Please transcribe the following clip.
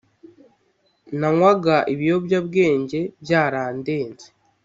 nanywaga ibiyobyabwenge byarandenze